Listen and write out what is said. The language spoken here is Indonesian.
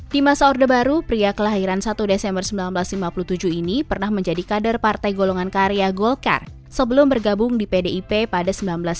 di masa orde baru pria kelahiran satu desember seribu sembilan ratus lima puluh tujuh ini pernah menjadi kader partai golongan karya golkar sebelum bergabung di pdip pada seribu sembilan ratus sembilan puluh